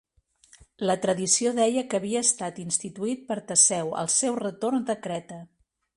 La tradició deia que havia estat instituït per Teseu al seu retorn de Creta.